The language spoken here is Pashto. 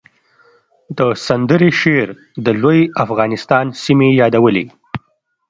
د سندرې شعر د لوی افغانستان سیمې یادولې